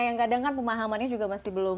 yang kadangkan pemahamannya juga masih belum